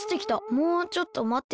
「もうちょっとまって。